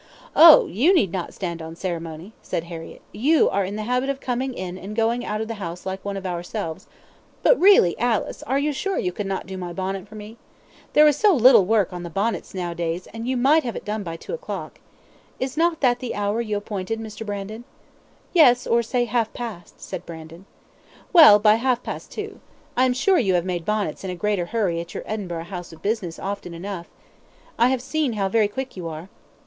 "Oh! you need not stand on ceremony," said Harriett; "you are in the habit of coming in and going out of the house like one of ourselves; but really, Alice, are you sure you could not do my bonnet for me? There is so little work on the bonnets now a days, and you might have it done by two o'clock. Is not that the hour you appointed, Mr. Brandon?" "Yes; or say half past," said Brandon. "Well, by half past two. I am sure you have made bonnets in a greater hurry at your Edinburgh house of business often enough. I have seen how very quick you are.